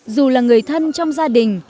dù là người thân trong gia đình